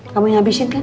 kamu yang habisin kan